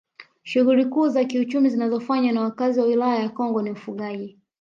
Shughuli kuu za kiuchumu zinazofanywa na wakazi wa Wilaya ya Kongwa ni ufugaji